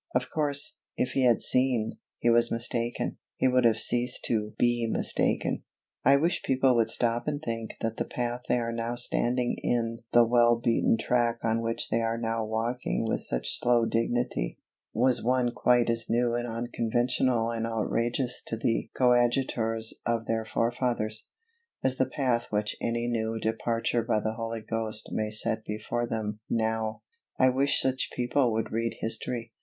_ Of course, if he had seen, he was mistaken, he would have ceased to be mistaken. I wish people would stop and think that the path they are now standing in the well beaten track on which they are now walking with such slow dignity was one quite as new and unconventional and outrageous to the coadjutors of their forefathers, as the path which any new departure by the Holy Ghost may set before them now. I wish such people would read history.